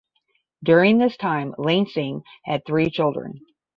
During this time Lansing had three children.